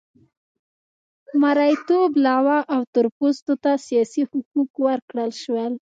مریتوب لغوه او تور پوستو ته سیاسي حقوق ورکړل شول.